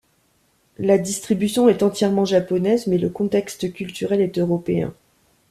La distribution est entièrement japonaise, mais le contexte culturel est européen.